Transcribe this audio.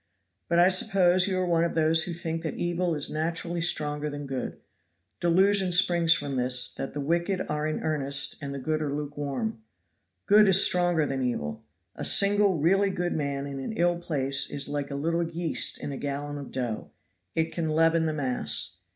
But I suppose you are one of those who think that evil is naturally stronger than good. Delusion springs from this, that the wicked are in earnest and the good are lukewarm. Good is stronger than evil. A single really good man in an ill place is like a little yeast in a gallon of dough; it can leaven the mass.